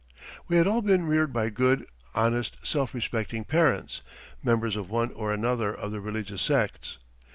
We had all been reared by good, honest, self respecting parents, members of one or another of the religious sects.